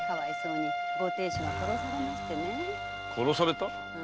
殺された？